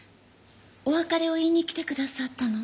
お別れを言いに来てくださったの？